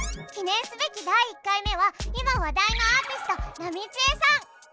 記念すべき第１回目は今話題のアーティストなみちえさん。